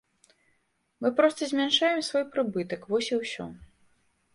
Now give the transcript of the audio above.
Мы проста змяншаем свой прыбытак, вось і ўсё.